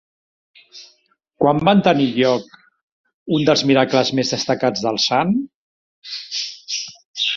Quan va tenir lloc un dels miracles més destacats del sant?